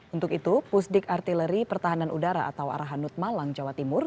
untuk itu pusdik artileri pertahanan udara atau arahanut malang jawa timur